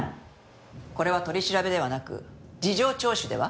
これは取り調べではなく事情聴取では？